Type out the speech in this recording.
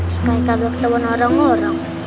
supaya kagak ketahuan orang orang